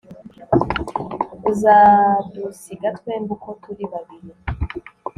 Uzadusiga twembi uko turi babiri